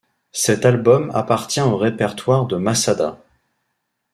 Cet album appartient au répertoire de Masada.